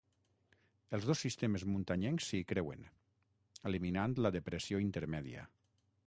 Els dos sistemes muntanyencs s'hi creuen, eliminant la depressió intermèdia.